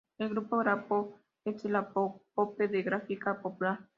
El grupo Grapo es el apócope de Gráfica Popular.